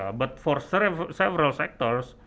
tapi untuk beberapa sektor